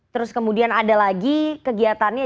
terus kemudian ada lagi kegiatannya